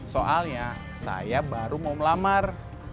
soalnya saya baru mau melamar